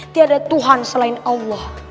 tiada tuhan selain allah